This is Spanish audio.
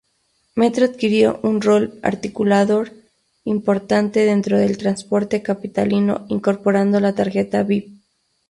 Metro adquirió un rol articulador importante dentro del transporte capitalino incorporando la tarjeta bip!